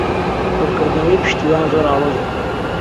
ڕوونکردنەوەی پشتیوان زۆر ئاڵۆز بوو.